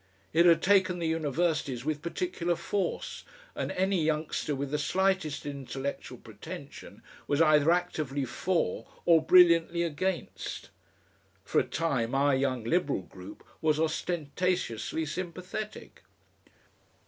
It had taken the Universities with particular force, and any youngster with the slightest intellectual pretension was either actively for or brilliantly against. For a time our Young Liberal group was ostentatiously sympathetic....